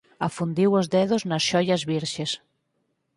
Afundiu os dedos nas xoias virxes.